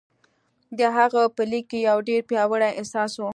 د هغه په ليک کې يو ډېر پياوړی احساس و.